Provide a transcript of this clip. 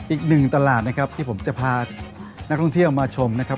อีกหนึ่งตลาดนะครับที่ผมจะพานักท่องเที่ยวมาชมนะครับ